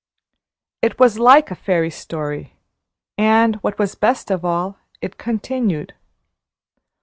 It was like a fairy story, and, what was best of all, it continued.